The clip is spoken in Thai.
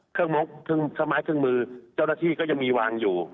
เครื่องมือเราก็ยังมีวางอยู่